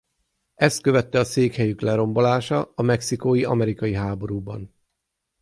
Ezt követte a székhelyük lerombolása a mexikói-amerikai háborúban.